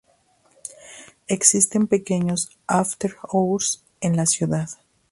Existen pequeños after hours en la ciudad.